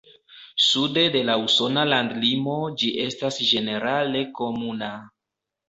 Sude de la usona landlimo ĝi estas ĝenerale komuna.